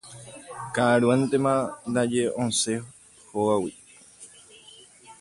Ka'aruetéma ndaje osẽ hógagui